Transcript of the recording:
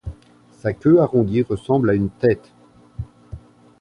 Sa queue arrondie ressemble à une tête.